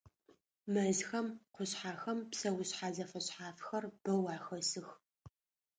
Мэзхэм, къушъхьэхэм псэушъхьэ зэфэшъхьафхэр бэу ахэсых.